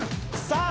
さあ